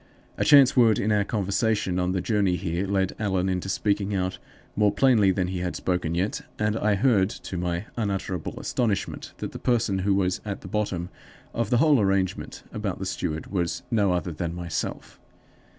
A chance word in our conversation on the journey here led Allan into speaking out more plainly than he had spoken yet, and I heard to my unutterable astonishment that the person who was at the bottom of the whole arrangement about the steward was no other than myself!